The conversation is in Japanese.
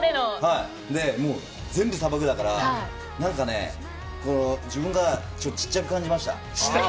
全部砂漠だから自分がちっちゃく感じました。